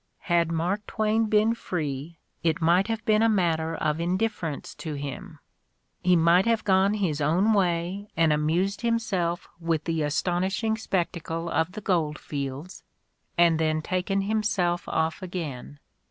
Had Mark Twain been free, it might have been a matter of indifference to him; he might have gone his own way and amused himself with the astonishing spectacle of the gold fields and then taken Iiimself off again.